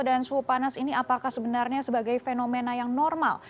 dan suhu panas ini apakah sebenarnya sebagai fenomena yang normal